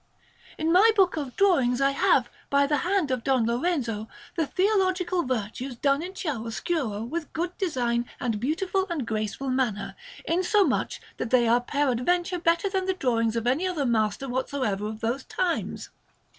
In my book of drawings I have, by the hand of Don Lorenzo, the Theological Virtues done in chiaroscuro with good design and beautiful and graceful manner, insomuch that they are peradventure better than the drawings of any other master whatsoever of those times.